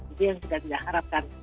itu yang kita harapkan